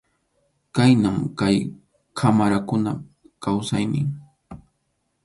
Khaynam kay qamarakunap kawsaynin.